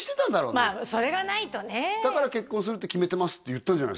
まあそれがないとねえだから結婚するって決めてますって言ったんじゃないですか？